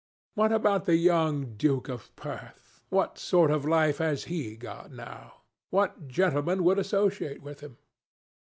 What about the young Duke of Perth? What sort of life has he got now? What gentleman would associate with him?"